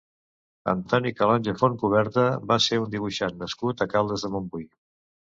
Antoni Calonge Fontcuberta va ser un dibuixant nascut a Caldes de Montbui.